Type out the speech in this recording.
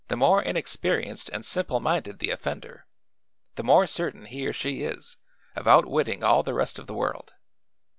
The more inexperienced and simple minded the offender, the more certain he or she is of outwitting all the rest of the world.